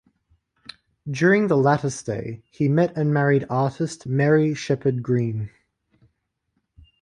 During the latter stay, he met and married artist Mary Shepard Greene.